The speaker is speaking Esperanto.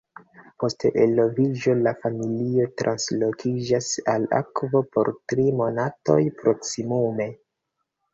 Post eloviĝo la familio translokiĝas al akvo por tri monatoj proksimume.